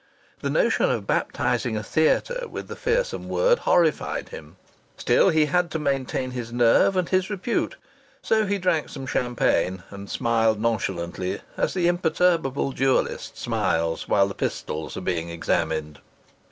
The notion of baptizing a theatre with the fearsome word horrified him. Still, he had to maintain his nerve and his repute. So he drank some champagne, and smiled nonchalantly as the imperturbable duellist smiles while the pistols are being examined.